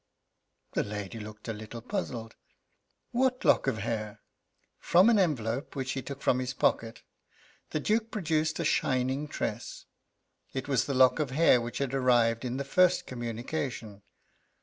The lady looked a little puzzled: "What lock of hair?" From an envelope which he took from his pocket the Duke produced a shining tress. It was the lock of hair which had arrived in the first communication.